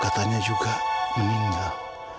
katanya juga meninggal